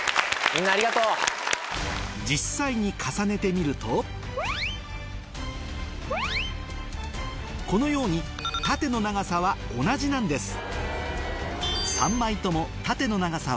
実際に重ねてみるとこのようにたての長さは同じなんです